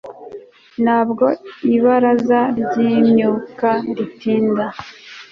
ntabwo ibaraza ryimyuka ritinda